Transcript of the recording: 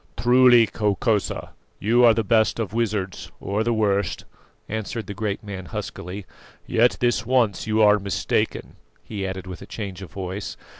"Truly, Hokosa, you are the best of wizards, or the worst," answered the great man huskily. "Yet this once you are mistaken," he added with a change of voice.